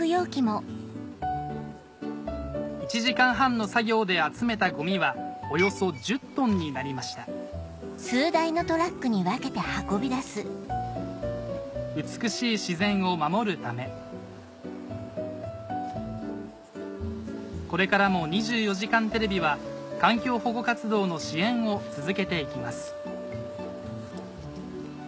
１時間半の作業で集めたゴミはおよそ１０ｔになりました美しい自然を守るためこれからも『２４時間テレビ』は環境保護活動の支援を続けていきます